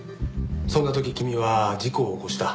そんな時君は事故を起こした。